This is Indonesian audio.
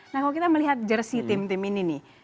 nah kalau kita melihat jersi tim tim ini nih